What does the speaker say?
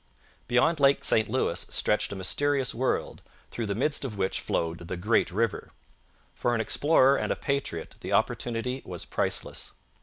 Beyond Lake St Louis stretched a mysterious world, through the midst of which flowed the Great River. For an explorer and a patriot the opportunity was priceless.